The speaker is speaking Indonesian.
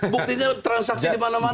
buktinya transaksi dimana mana